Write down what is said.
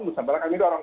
nusantara kami dorong